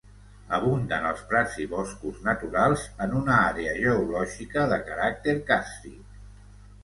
Abunden els prats i boscos naturals en una àrea geològica de caràcter càrstic.